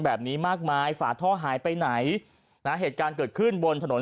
แบบนี้มากมายฝาท่อหายไปไหนนะเหตุการณ์เกิดขึ้นบนถนน